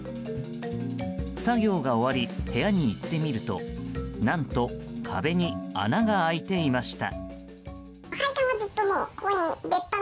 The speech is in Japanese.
作業が終わり部屋に行ってみると何と壁に穴が開いていました。